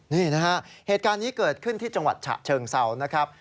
นี่นะฮะเหตุการณ์นี้เกิดขึ้นที่จังหวัดฉะเชิงเศร้านะครับ